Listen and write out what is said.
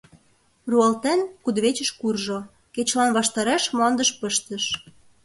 Руалтен, кудывечыш куржо, кечылан ваштареш мландыш пыштыш.